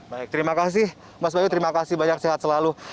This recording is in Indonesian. baik terima kasih mas bayu terima kasih banyak sehat selalu